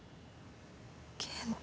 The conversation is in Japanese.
健太。